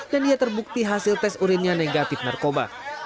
dan ia terbukti hasil tes urinnya negatif narkoba